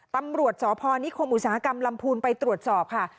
ตำรวจสพนิคมอุตสาหกรรมลำพูนไปตรวจสอบค่ะ